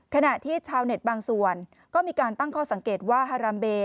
ขณะที่ชาวเน็ตบางส่วนก็มีการตั้งข้อสังเกตว่าฮารามเบ